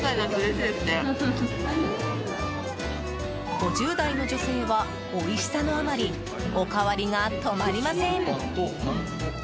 ５０代の女性はおいしさのあまりおかわりが止まりません。